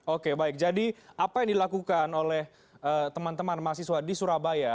oke baik jadi apa yang dilakukan oleh teman teman mahasiswa di surabaya